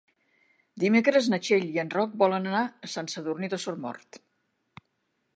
Dimecres na Txell i en Roc volen anar a Sant Sadurní d'Osormort.